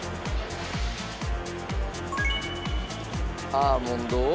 アーモンドを。